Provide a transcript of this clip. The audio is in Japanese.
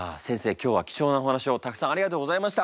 今日は貴重なお話をたくさんありがとうございました。